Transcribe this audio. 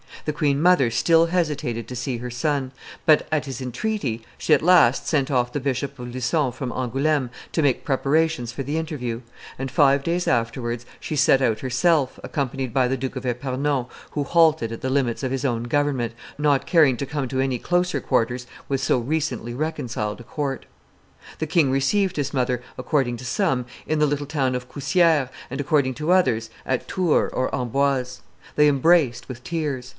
The queen mother still hesitated to see her son; but, at his entreaty, she at last sent off the Bishop of Lucon from Angouleme to make preparations for the interview, and, five days afterwards, she set out herself, accompanied by the Duke of Epernon, who halted at the limits of his own government, not caring to come to any closer quarters with so recently reconciled a court. The king received his mother, according to some, in the little town of Cousieres, and, according to others, at Tours or Amboise. They embraced, with tears.